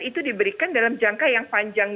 itu diberikan dalam jangka yang panjang